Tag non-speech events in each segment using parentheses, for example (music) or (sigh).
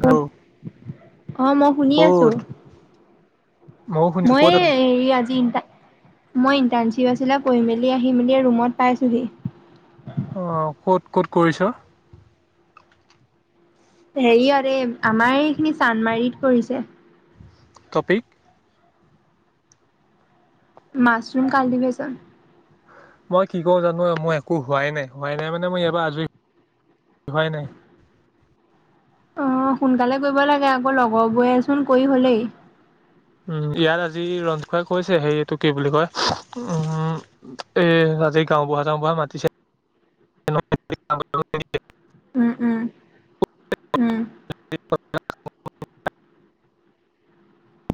Hello অ মই শুনি আছোঁ। ক'ত ময়ো শুনিছোঁ মই ক'ত আছ হেৰি আজি ই মই ইণ্টাৰ্ণশ্বিপ আছিলে পঢ়ি মেলি আহি মেলি ৰুমত পাইছোঁহি অ কত ক'ত কৰিছ হেৰিয়ত এই আমাৰ এইখিনি চান্মাৰিত কৰিছে টপিক মাছৰুম কালি বেচন (unintelligible) মই কি কো জানো মই একো হোৱাই নাই হোৱাই নাই মানে মই ইয়াৰ পৰা আজৰি সোৱাই নাই অ সোনকালে কৰিব লাগে আকৌ লগৰবোৰে চোন কৰি হলেই উম ইয়াত আজি ৰঞ্ খুৱাই কৈছে সেই এইটো কি বুলি কয় উম এ (unintelligible) জি গাওঁ বুঢ়া চাও বুঢ়া মাতিছে (unintelligible) (inaudible) উম উম উম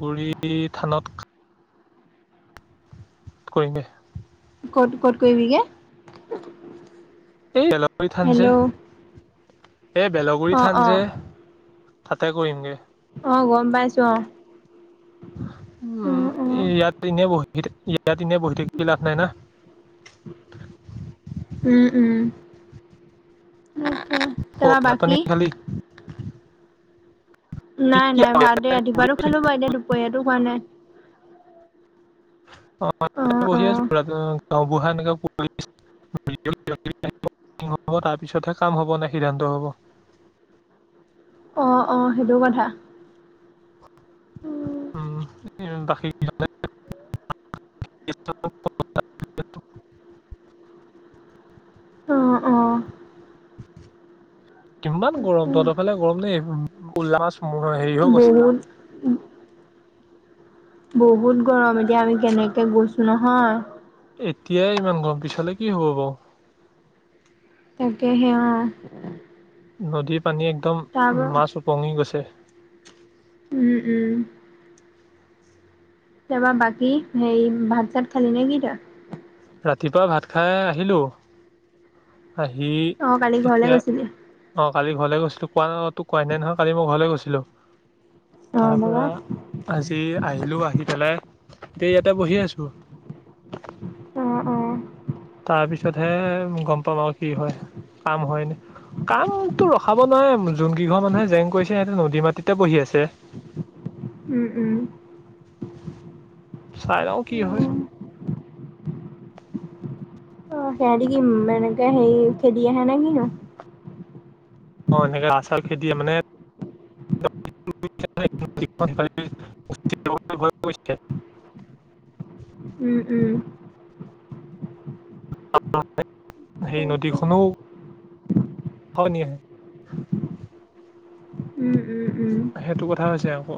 গুৰী থানত কৰিলে ক'ত কত কৰিবিগে? এই বেলগুৰি থান হেল্ল' যে, এই বেলগুৰি অ', থান যে অ'। তাতে কৰিমগৈ। অ গম পাইছো অ উম অ', অ', এয়াত ইনে বাঢ়ি থাকি ইয়াত এনেই বহি থাকি লাভ নাই না ত অ' ভাত পানী বাকি খালি কি নাই নাই ভাত দে ৰাতিবাৰো কি খালো ব এতিয়া দুপৰীয়াতো খোৱা নাই অ বহি আছো গাওবুঢ়া এনেকে হ'ম তাৰপিছতহে কাম হ'ব নে সিদ্ধান্ত হ'ব আহ অ সেইটো কথা উম বাকী কি (unintelligible) অ অ কিমান গৰম তহতফালে গৰম দেই উোল্লা মাছ ম হেৰি হৈ গৈছে বহুত বহুত গৰম এতিয়া আমি কেনেকে গৈছো নহয় এতিয়াই ইমান গম পিছলৈ কি হ'ব বাৰু তাকে সে অ নদীৰ পানী একদম তাৰ পৰা মাছ ওপঙি গৈছে, উম উম তাৰাপা বাকী হেৰি ভাত চাত খালি নে কি তই‌‌? ৰাতিপুৱা ভাত খাই আহিলোঁ আহি অ কালি ঘৰলে এতিয়া গৈছিলি অ কালি ঘৰলৈ গৈছিলো কোৱা ন তো কোৱাই নাই নহয় কালি মই ঘৰলৈ গৈছিলো অ তাৰ বাবা পৰা আজি আহিলো, আহি পেলাই এ ইয়াতে বহি আছো। অ অ। তাৰ পিছতহে গম পাম আৰু কি হয় কাম হয় ন। কামতো ৰখাব নোৱাৰে, যোন কেইঘৰ মানুহে জেং কৰিছে সিহঁতে নদী মাটিতে বহি আছে। উম উম। চাইলও কি হয়। অ ক দ কি মানে ক সে উ খে দিয় হে ন কি (unintelligible) অ এনেকে আচাৰ খেতিয়ে মানে, (unintelligible) উম উম। সেই নদীখনো হয় নিয়ে। উম উম উম সেইটো কথা হৈছে আকৌ।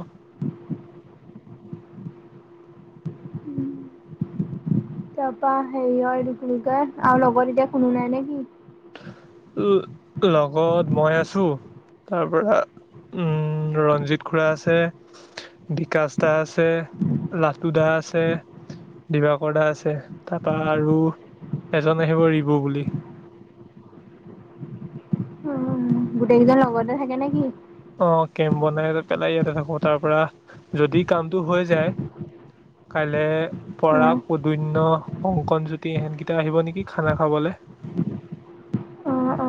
তাপা হেৰি আৰু কি বুলি কয়, লগৰ এতিয়া কোনো নাই নেকি? লগত মই আছো, তাৰ পৰা উম ৰঞ্জিত খুৰা আছে, বিকাশ দা আছে, লাটো দা আছে, দিবাকৰ দা আছে, তাৰপা আৰু এজন আহিব ৰিবু বুলি। উম, গোটেইকেইজন লগৰতে থাকে নেকি? অ কেম্প বনাই পেলাই ইয়াতে থাকো। তাৰ পৰা যদি কামটো হৈ যায়, কাইলে উম, পৰাগ, পদুন্য, কংকনজ্যোতি, সেইকেইটা আহিব নেকি খানা খাবলৈ। অ অ।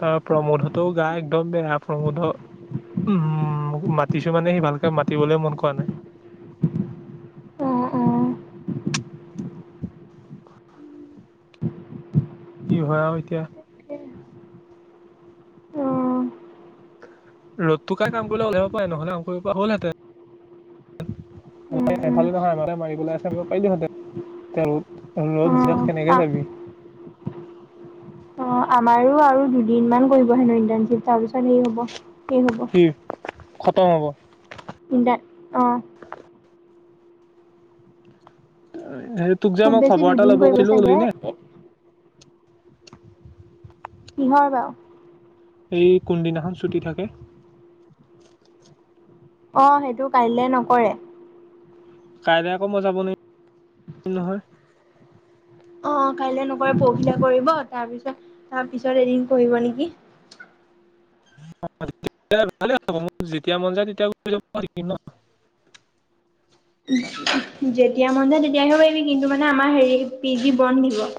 তাৰপা প্ৰমোদ হতেও গা একদম বেয়া প্ৰমোদ। উম মাতিছো মানে সি ভালকে মাতিবলৈ মন কৰা নাই। অহ অঁহ। কি হয় আৰু এতিয়া। অ', ৰ'দত কাই কাম কৰিলে ওলাব পাৰে নহ'লে কাম কৰিব হলহেঁতেন। উম, উম, সফালে (unintelligible) নহয় আমাকে মাৰিব আছে পাৰিলোহঁতেন, ৰ'দ অ', ৰ'দ, কেনেকে তাক যাবি। অ আমাৰো আৰু দুদিনমান কৰিব হেনো ইণ্টাৰণশ্বিপ। তাৰপিছত সেই হব শেষ হব। কি খতম হ'ব। ইণ্টাৰ অ', হে তোক যে খুব মই বেছি খবৰ এটা দুদিন ল'ব কৰিব কৈছিলো চাগে ললি নে? কিহৰ বাৰু? এই কোনদিনাখন ছুটি থাকে। অ সেইটো কাইলে নকৰে। কাইলৈ আকৌ মই যাব নোৱাৰো নহয়। অ' কাইলৈ নকৰে, পৰশিলে কৰিব, তাৰ পিছত, তাৰ (inaudible) ভালে হ'ব, মোৰ যেতিয়া মন যায়, তেতিয়া (unintelligible) যেতিয়া মন যায় তেতিয়া আহিব পাৰিবি কিন্তু মানে আমাৰ হেৰি, পি জি বন্ধ দিব। (inaudible)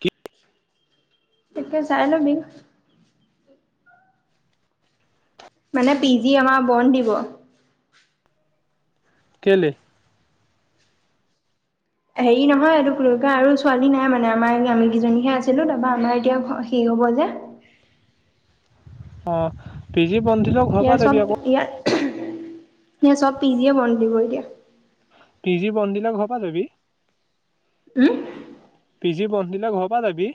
কি তাকে চাই লবি। মানে পি জি আমাৰ বন্ধ দিব। কেলে? হেৰি নহয়, এইটো (unintelligible) হ'ব যে অ' পি জি বন্ধদিলেও ঘৰৰ পৰা যাবি আকৌ। ন', চব পিজিয়ে বন্ধ দিব এতিয়া। পি জি বন্ধ দিলে ঘৰৰ পৰা যাবি। উম? পি জি বন্ধ দিলে ঘৰৰ পৰা যাবি।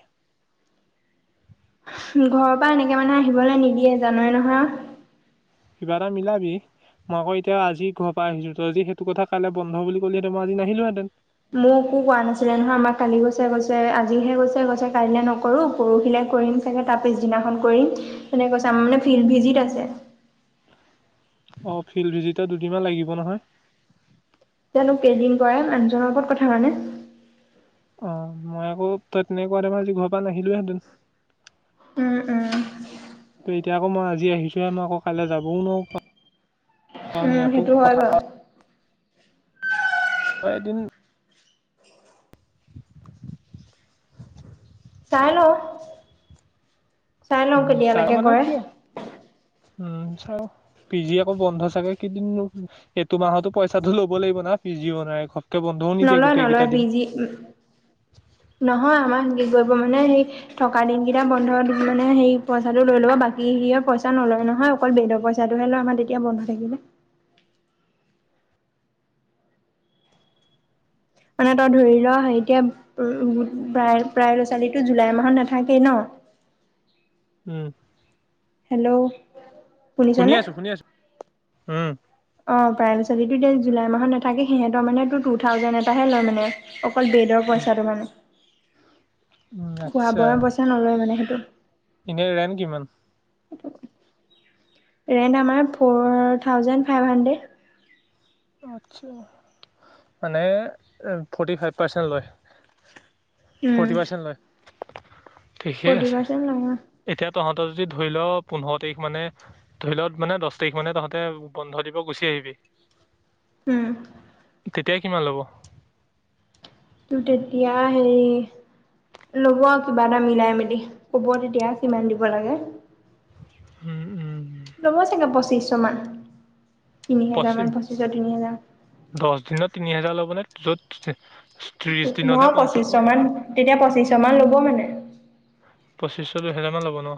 ঘৰৰ পৰা এনেকে মানুহ আহিবলৈ নিদিয়ে জানই নহয়। কিবা এটা মিলাবি? মই আকৌ এতিয়া আজি ঘৰ পৰা আহিছোঁ। ত‌ই আজি সেইটো কথা, কাইলে বন্ধ বুলি কলিহেঁতেন মই আজি নাহিলোহেঁতেন। মোকো কোৱা নাছিলে নহয়। আমাৰ কালি গৈছে, গৈছে। আজিহে গৈছে? গৈছে কাইলৈ নকৰোঁ। পৰহিলে কৰিম চাগে, তাৰ পিছদিনাখন কৰিম। তেনেকে কৈছে! মানে, ফিল্ড ভিজিত আছে। অ ফিল্ড ভিজিটৰ দুদিনমান লাগিব নহয়। (inaudible) তেওঁলোক কেইদিন কৰা মানুহজনৰ ওপৰত কথা মানে। অ' মই আকৌ তই, তেনেকুৱা তোমাৰ আজি ঘৰৰ পৰা নাহিলোহেঁতেন। উম-উম। তেতিয়া আকৌ মই আজি আহিছোঁহে, মই আকৌ কাইলৈ যাবও নোৱাৰোঁ। উম, নিয়াতো সেইটো হয় কথা বাৰু (unintelligible) এদিন চাই লওঁ। চাই লওঁ উম কেতিয়া ছাৰ মানে কি উম চাওঁ, পি জি আকৌ বন্ধ চাগে পি জি বনাই খাওঁ নলয়, নলয়, পিজি, নহয় আমাৰ মানে হেৰি, থকা দিনকেইটা বন্ধ থাকিলে মানে হেৰি অকল বেদৰ পইচাটো হে লয় আমাৰ তেতিয়া বন্ধ থাকিলে মানে তই ধৰি ল এতিয়া উম প্ৰায় প্ৰায় ল'ৰা-ছোৱালীতো জুলাই মাহত নাথাকেই ন। (inaudible) উম! হেল্ল' (unintelligible) শুনি আছো, শুনি আছো উম। (unintelligible) অ'! প্ৰায় ল'ৰা-ছোৱালীটো, এতিয়া জুলাই মাহত নাথাকে। সিহঁতৰ মানে, টু থাউজেণ্ড এটাহে লয় মানে। অ' অকল বেডৰ পইচাটো মানে। উম আচ্ছা খোৱা-বোৱাৰ পইচা নলয় মানে সেইটো। এনে ৰেন্ট কিমান? ৰেণ্ট আমাৰ ফ'ৰ থাউজেণ্ড, ফাইভ হাণ্ড্ৰেড। (unintelligible) আচ্ছা, আচ্ছা। মানে, ফৰ্টি ফাইভ পাৰ্চেণ্ট লয়। উম, ফৰ্টি পাৰ্চেণ্ট লয়? ঠিকেই ফৰ্টি আছে। পাৰ্চেণ্ট লয় অ', এতিয়া তহঁতৰ যদি ধৰি ল', পোন্ধৰ তাৰিখ মানে, ধৰি ল' মানে, দহ তাৰিখ মানে, তহঁতে বন্ধ দিব গুচি আহি আহিবি। উম, তেতিয়া কিমান ল'ব? তেতিয়া, হেৰি ল'ব কিবা এটা মিলাই মেলি। ক'ব তেতিয়া কিমান দিব লাগে। উম'! উম'! ল'ব চাগে পঁচিছশ মান, তিনি হোজাৰ মান পঁচিছৰ তিনি হাজাৰ। দচ দিনত তিনি হেজাৰ ল'বনে? য'ত ত্ৰিশ দিনতহে পঞ্চ পঁচিশ মান ল'ব মানে পঁচিছশ দুহেজাৰ মান ল'ব ন?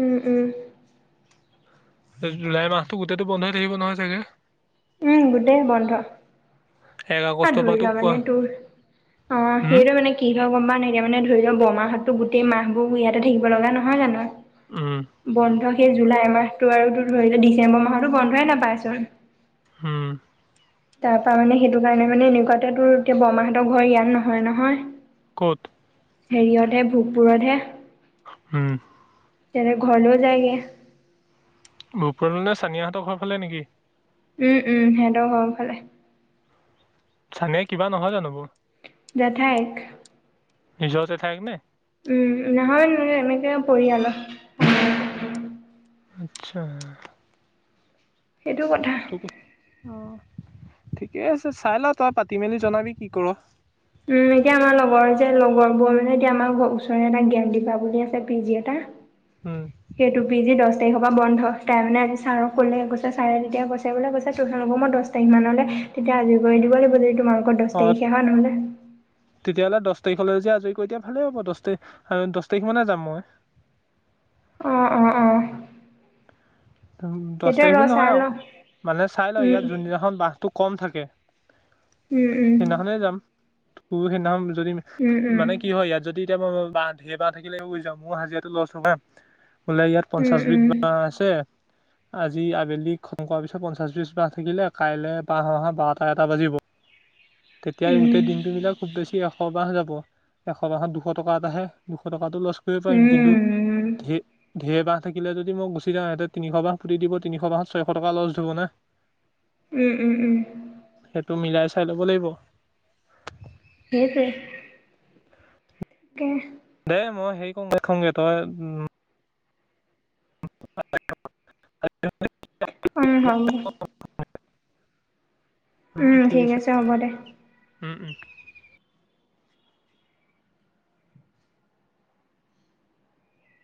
উম, উম। জুলাই মাহটো গোটেইটো বন্ধ হৈ থাকিব নহয় চাগে? এক আহ আগষ্টৰ ধৰি পৰাতো ল কোৱা মানে তোৰ, অ', উম সেইটো মানে কি হয় গম পাৱ নাই এতিয়া মানে ধৰি লঃ বৰমাহতো গোটেই মাহবোৰ ইয়াতে থাকিব লগা নহয় জানো? উম বন্ধ সেই জুলাই মাহটো আৰু ধৰি ডিচেম্বৰ মাহতো বন্ধয়েই নাপাই চোন। হুম। তাৰ পৰানে মানে সেইটো কাৰণে মানে এনেকুৱাতে তোৰ এতিয়া বৰমাহঁতৰ ঘৰ ইয়ান নহয়-নহয়। ক'ত? হেৰিয়তহে ভোগপুৰতহে। উম। তেনে ঘৰলৈ যায়গে। ভূপুৰে চানিয়াহঁতৰ ফালে নেকি? উম, উম, সিহঁত ঘৰফালে। চানিয়ে কিবা নহয় জানো বৌ? জেঠায়েক। নিজৰ জেঠায়েক নে? উম, নহয় মানে এনেকে পৰিয়ালৰ। আচ্ছা। সেইটো কথা। তোক অ', ঠিকে আছে চাই লঃ তই পাতি মেলি জনাবি কি কৰ। উম, এতিয়া আমাৰ লগৰ যে লগৰবোৰ মানে এতিয়া আমাৰ ওচৰৰে এটা জ্ঞানদিবা বুলি আছে পি জি এটা। উম সেইটো পিজি দহ তাৰিখৰ পৰা বন্ধ। তাই মানে আজি ছাৰক ক'লে গৈছে ছাৰে তেতিয়া গছে বো কৈছে টোৰ হেনো মই দছ তাৰিখমানলে তেতিয়া আজি কৰি দিব লাগিব যদি তোমালোকৰ দহ অ তাৰিখে হয় নহ'লে। তেতিয়াহ'লে দহ তাৰিখলৈ যে আজৰি কৰি দতিয়া ভালেই হ'ব দহ তাৰিখ দহ তাৰিখ মানে যাম মই। অ', অ', অ'। দহ সেইটোৱে তাৰিখ ৰ বুলি চাই নহয় আৰু লওঁ মানুে চাই লওঁ ইয়াত উম যোনদিনাখন বহটো কম থাকে। উম সেইদিনাখনে যাম, তোৰু সেইদিনাখন যদি উম মানে কি উম হয় ইয়াত যদি এতিয়া মই বাঁহ, ঢেৰ বাঁহ থাকিলে বুজ যাম ময়ো হাজিৰাটো লছ নহয়। বোলে ইয়াত উম উম উম পঞ্চাশ উম উম বিধ বাঁহ আছে আজি আবেলি খং কৰাৰ পিছত পঞ্চাশ পিচ বাহ থাকিলে কাইলৈ বাহ অহা বাৰটা এটা বাজিব। তেতিয়া গোটেই দিনটো মিলাক খুব বেছি এশ বাহ যাব। এশ বাহত দুশ টকা এটা হে। দুশ টকাটো লচ কৰিব পাৰিম কিন্তু উম ঢে-ঢেৰ বাহ থাকিলে যদি মই গুচি যওঁ, সিহঁতে তিনিশ বাহ পুতি দিব তিনিশ বাহ ছয়শ টকা লছ হ'ব না। উম, উম, উম। টো মিলাই চাই ল'ব লাগিব। সেইটোৱে। কে। দে মই হেৰি কুৰুং গৈ, থৌঞ্জে তই (unintelligible) উম, হব। উম, ঠিক আছে হ'ব দে। উম, উম।